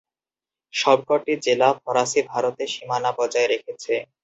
সবকটি জেলা ফরাসি ভারতে সীমানা বজায় রেখেছে।